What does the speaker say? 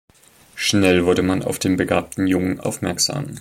Schnell wurde man auf den begabten Jungen aufmerksam.